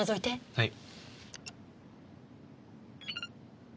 はい。